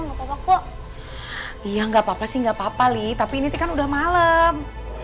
iya ya enggak papa sih enggak papa li tapi ini kan udah malam